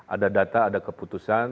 ada data ada keputusan